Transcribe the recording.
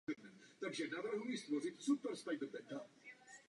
Původně se obyvatelé vesnice zaměřovali na tradiční zemědělskou výrobu.